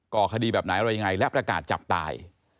ก่อคดีแบบไหนอะไรยังไงและประกาศจับตาย